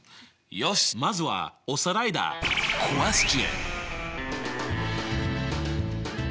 よしまずはおさらいだ！ＯＫ！